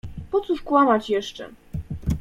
Po cóż kłamać jeszcze?